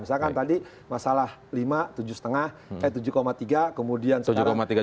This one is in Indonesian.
misalkan tadi masalah lima tujuh tiga kemudian sekarang